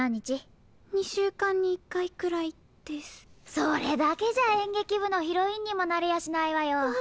それだけじゃえんげきぶのヒロインにもなれやしないわよ。